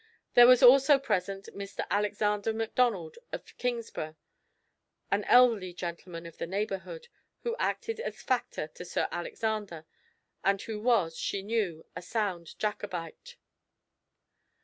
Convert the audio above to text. There was also present, Mr. Alexander Macdonald of Kingsburgh, an elderly gentleman of the neighbourhood, who acted as factor to Sir Alexander, and who was, she knew, a sound Jacobite.